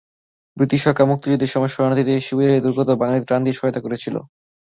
British সরকার মুক্তিযুদ্ধের সময় শরণার্থী শিবিরে দুর্গত বাঙালিদের ত্রাণ দিয়ে সহায়তা করেছিল।